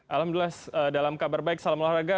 alhamdulillah dalam kabar baik salam olahraga